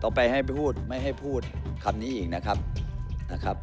ต่อไปให้พูดไม่ให้พูดคำนี้อีกนะครับ